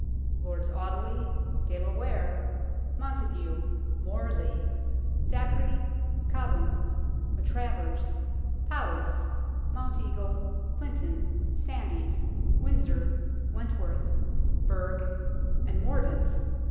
Lords Audeley, De la Ware, Montague, Morley, Dacre, Cobham, Maltravers, Poms, Mounteagle, Clinton, Sandys, Windsor, Went worth, Burgh and Mordaunt.